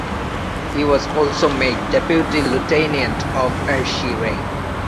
He was also made Deputy lieutenant of Ayrshire.